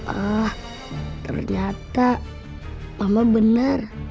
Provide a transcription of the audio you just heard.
ah ternyata mama benar